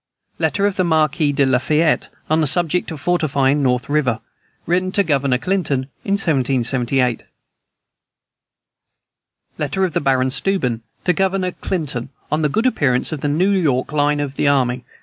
Letter of the Marquis de Lafayette on the subject of fortifying the North river. Written to Governor Clinton in 1778. Letter of the Baron Steuben to Governor Clinton on the good appearance of the New York line of the army.